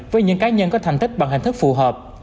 với những cá nhân có thành tích bằng hình thức phù hợp